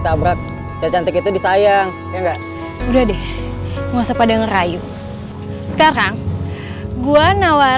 pornya siap pakeprofits terlalu persis untuk datinwan ya pak